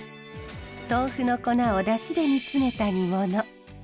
豆腐の粉を出汁で煮詰めた煮物。